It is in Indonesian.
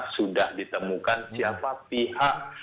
sudah ditemukan siapa pihak